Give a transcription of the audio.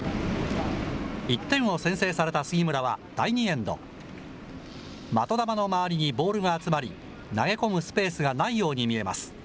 １点を先制された杉村は、第２エンド。的玉の周りにボールが集まり、投げ込むスペースがないように見えます。